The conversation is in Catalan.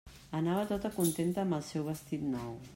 Anava tota contenta amb el seu vestit nou.